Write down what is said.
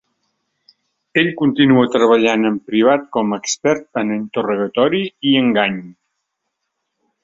Ell continua treballant en privat com a expert en interrogatori i engany.